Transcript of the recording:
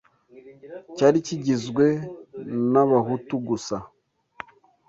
cyari kigizwe n’abahutu gusa.”